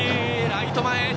ライト前。